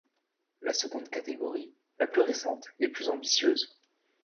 La seconde catégorie, la plus récente, est plus ambitieuse.